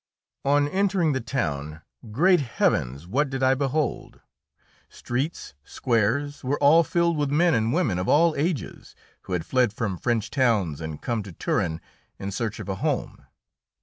On entering the town, great heavens! what did I behold! Streets, squares, were all filled with men and women of all ages who had fled from French towns and come to Turin in search of a home.